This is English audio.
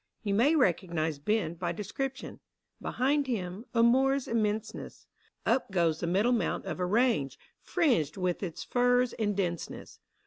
You may recognise Ben by description ; Behind him — a moor's immenseness : Up goes the middle mount of a range, Fringed with its firs in denseness.